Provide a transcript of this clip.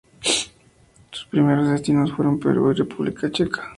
Sus primeros destinos fueron Perú y la República Checa.